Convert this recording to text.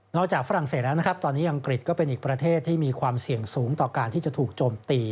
จากฝรั่งเศสแล้วนะครับตอนนี้อังกฤษก็เป็นอีกประเทศที่มีความเสี่ยงสูงต่อการที่จะถูกโจมตี